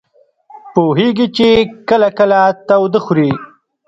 پوهېږي چې کله کله تاوده خوري.